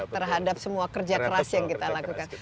terhadap semua kerja keras yang kita lakukan